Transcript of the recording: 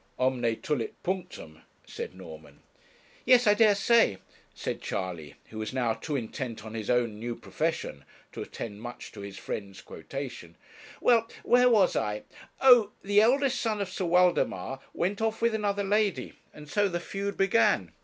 'Omne tulit punctum,' said Norman. 'Yes, I dare say,' said Charley, who was now too intent on his own new profession to attend much to his friend's quotation. 'Well, where was I? Oh! the eldest son of Sir Waldemar went off with another lady and so the feud began.